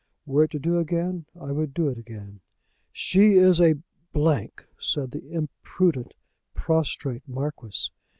Were it to do again, I would do it again." "She is a ," said the imprudent prostrate Marquis.